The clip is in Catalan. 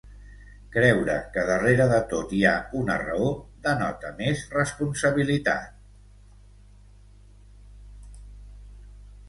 Creure que darrere de tot hi ha una raó, denota més responsabilitat.